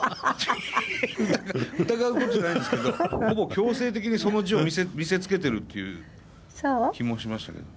疑うことじゃないんですけどほぼ強制的にその字を見せつけているという気もしましたけど。